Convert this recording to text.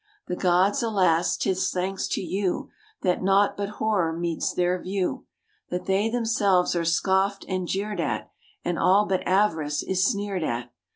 The gods, alas! 'Tis thanks to you That nought but horror meets their view, That they themselves are scoffed and jeered at, And all but avarice is sneered at.